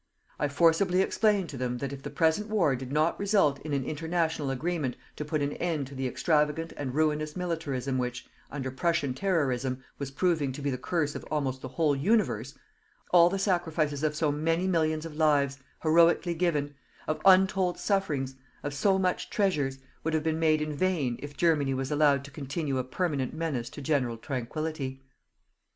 I forcibly explained to them that if the present war did not result in an international agreement to put an end to the extravagant and ruinous militarism which, under Prussian terrorism, was proving to be the curse of almost the whole universe, all the sacrifices of so many millions of lives, heroically given, of untold sufferings, of so much treasures, would have been made in vain if Germany was allowed to continue a permanent menace to general tranquillity.